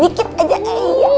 dikit aja kaya gitu